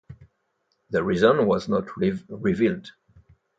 The reason was not revealed.